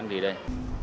của đối tượng